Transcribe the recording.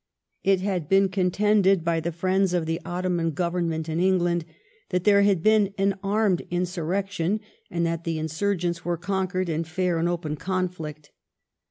It had been contended by the friends of the Ottoman Government in England that there had been an armed insurrection, and that the insurgents were conquered in fair and open conflict.